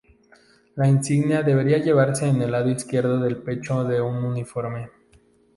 La insignia debía llevarse en el lado izquierdo del pecho de un uniforme.